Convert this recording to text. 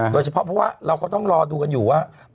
โดยเฉพาะเพราะว่าเราก็ต้องรอดูกันอยู่ว่า